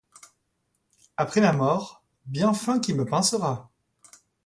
Après ma mort, bien fin qui me pincera.